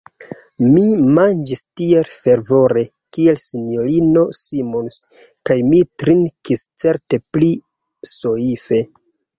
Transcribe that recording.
Mi manĝis tiel fervore, kiel S-ino Simons, kaj mi trinkis certe pli soife.